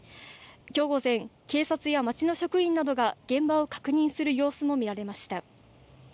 きょう午前、警察や町の職員などが現場を確認する様子も見られました。